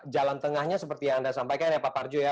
jalan tengahnya seperti yang anda sampaikan ya pak parjo ya